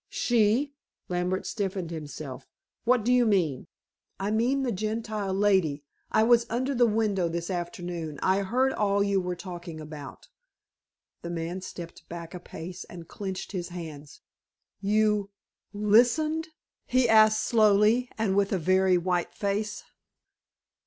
"She?" Lambert stiffened himself. "What do you mean?" "I mean the Gentile lady. I was under the window this afternoon. I heard all you were talking about." The man stepped back a pace and clenched his hands. "You listened?" he asked slowly, and with a very white face.